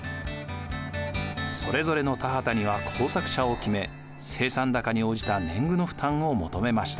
それぞれの田畑には耕作者を決め生産高に応じた年貢の負担を求めました。